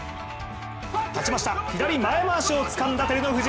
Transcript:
立ちました、左前回しをつかんだ照ノ富士。